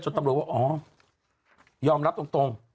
ตำรวจว่าอ๋อยอมรับตรง